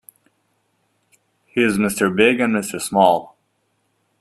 He's Mr. Big and Mr. Small.